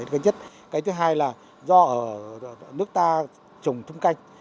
cái thứ hai là do nước ta trồng thung canh